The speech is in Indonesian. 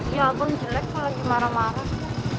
iya abang jelek kok lagi marah marah